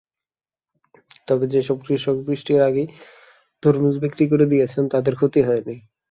তবে যেসব কৃষক বৃষ্টির আগেই তরমুজ বিক্রি করে দিয়েছেন, তাঁদের ক্ষতি হয়নি।